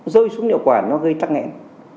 rơi xuống điệu quản nó gây tắc nghẽn